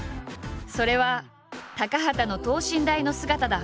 それは高畑の等身大の姿だ。